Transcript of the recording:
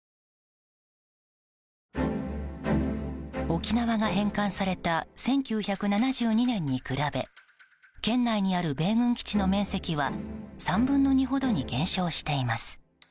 沖縄が返還された１９７２年に比べ県内にある米軍基地の面積は３分の２ほどに減少しています。